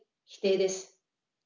否定です。